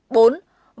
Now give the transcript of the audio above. năm vụ án tham ô tài sản